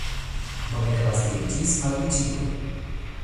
Do, mi devas diri ĝis al vi ĉiuj